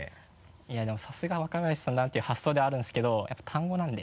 いやでもさすが若林さんだなっていう発想ではあるんですけどやっぱ単語なんで。